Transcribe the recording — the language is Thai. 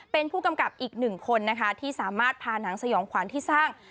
เป็นผู้กำกับอีกหนึ่งคนนะคะที่สามารถพาหนังสยองขวัญที่สร้าง